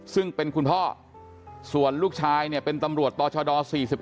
ซึ่งเป็นคุณพ่อส่วนลูกชายเนี่ยเป็นตำรวจต่อชด๔๑